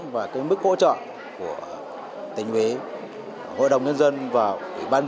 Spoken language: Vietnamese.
và tham gia